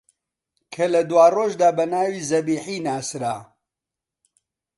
کە لە دواڕۆژدا بە ناوی زەبیحی ناسرا